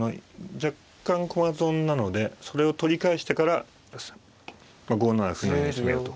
若干駒損なのでそれを取り返してから５七歩のように攻めようと。